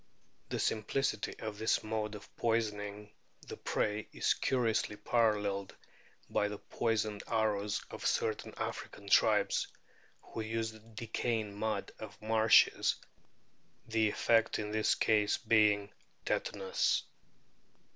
The simplicity of this mode of poisoning the prey is curiously paralleled by the poisoned arrows of certain African * Proc. Zool. Soc., 1886, p. 243. RORQUALS 151 tribes, who use the decaying mud of marshes the effect in this case being tetanus.